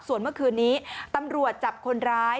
ส่วนเมื่อคืนนี้ตำรวจจับคนร้าย